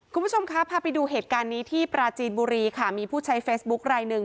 คุณผู้ชมคะพาไปดูเหตุการณ์นี้ที่ปราจีนบุรีค่ะมีผู้ใช้เฟซบุ๊คลายหนึ่ง